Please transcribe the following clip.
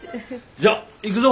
じゃあ行くぞ！